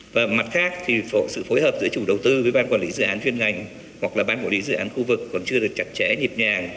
và mặt khác thì sự phối hợp giữa chủ đầu tư với ban quản lý dự án chuyên ngành hoặc là ban quản lý dự án khu vực còn chưa được chặt chẽ nhịp nhàng